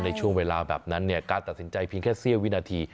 ในช่วงเวลาแบบนั้นการตัดสินใจเพียงแค่เสี้ยววินาที